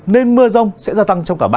nên mưa rong sẽ gia tăng trong thời gian tới